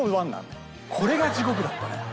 これが地獄だったね。